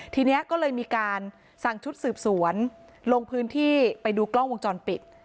ทีนี้ก็เลยมีการสั่งชุดสืบสวนลงพื้นที่ไปดูกล้องวงจรปิด